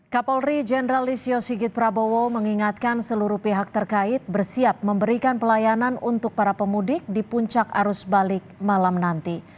kapolri jenderal listio sigit prabowo mengingatkan seluruh pihak terkait bersiap memberikan pelayanan untuk para pemudik di puncak arus balik malam nanti